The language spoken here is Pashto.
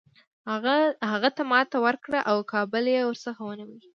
هغه ته ماته ورکړه او کابل یې ورڅخه ونیوی.